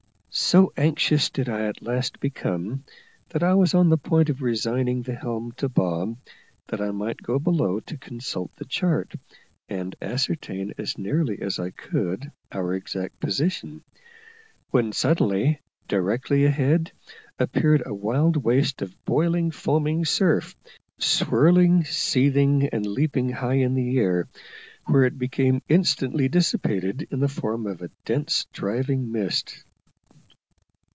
So anxious did I at last become, that I was on the point of resigning the helm to Bob, that I might go below to consult the chart, and ascertain as nearly as I could our exact position, when suddenly, directly ahead, appeared a wild waste of boiling foaming surf, swirling, seething, and leaping high in the air, where it became instantly dissipated, in the form of a dense driving mist.